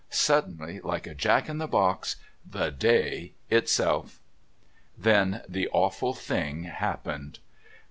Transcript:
Suddenly, like a Jack in the Box, The Day itself. Then the awful thing happened.